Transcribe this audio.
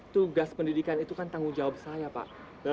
tugas pendidikan itu kan tanggung jawab saya pak